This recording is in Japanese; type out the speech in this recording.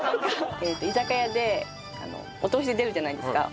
居酒屋でお通しで出るじゃないですか。